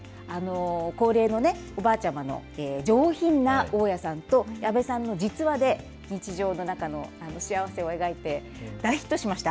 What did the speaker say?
高齢のおばあちゃまの上品な大家さんと、矢部さんの実話で日常の中の幸せを描いて、大ヒットしました。